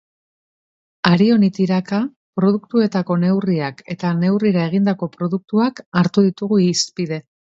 Hari honi tiraka produktuetako neurriak eta neurrira egindako produktuak hartu ditugu hizpide.